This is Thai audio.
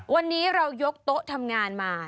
วันนี้เรายกโต๊ะทำงานมา